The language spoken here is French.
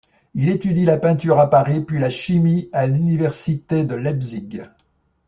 Il étudie la peinture à Paris puis la chimie à l’université de Leipzig.